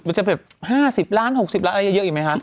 จะแบบ๕๐ล้าน๖๐ล้านอะไรเยอะอีกไหมคะ